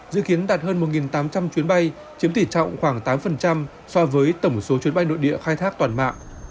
dự kiến đạt hơn một tám trăm linh chuyến bay chiếm tỷ trọng khoảng tám so với tổng số chuyến bay nội địa khai thác toàn mạng